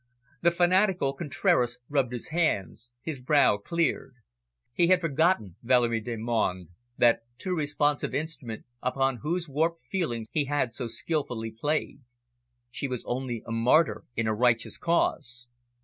The fanatical Contraras rubbed his hands; his brow cleared. He had forgotten Valerie Delmonte, that too responsive instrument upon whose warped feelings he had so skilfully played. She was only a martyr in a righteous cause.